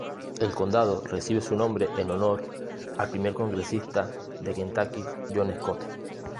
El condado recibe su nombre en honor al Primer Congresista de Kentucky John Scott.